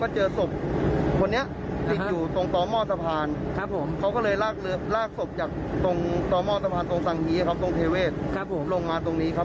จุดที่พบศพที่บอกไปอ่ะค่ะ